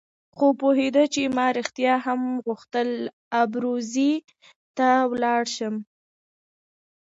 خو پوهېده چې ما رښتیا هم غوښتل ابروزي ته ولاړ شم.